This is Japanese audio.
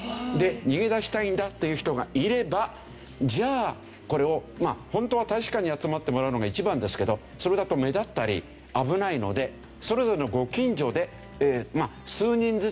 逃げ出したいんだという人がいればじゃあこれをホントは大使館に集まってもらうのが一番ですけどそれだと目立ったり危ないのでそれぞれのご近所で。